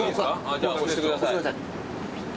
じゃあ押してください。